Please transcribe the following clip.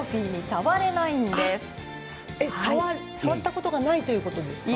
触ったことがないってことですか？